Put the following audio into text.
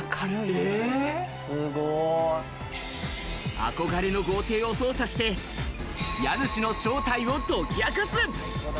憧れの豪邸を捜査して家主の正体を解き明かす！